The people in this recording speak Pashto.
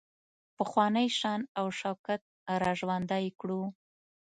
پخوانی شان او شوکت را ژوندی کړو.